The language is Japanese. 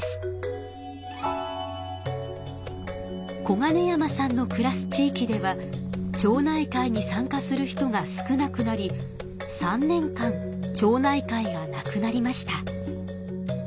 小金山さんのくらす地域では町内会に参加する人が少なくなり３年間町内会がなくなりました。